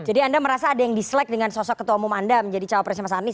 jadi anda merasa ada yang dislike dengan sosok ketua umum anda menjadi cowok presnya mas anies